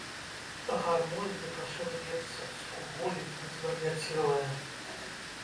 Гармонь дык аж ірвецца, скуголіць, бы звар'яцелая.